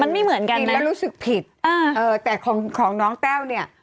มันไม่เหมือนกันแล้วรู้สึกผิดอ่าเออแต่ของของน้องแต้วเนี่ย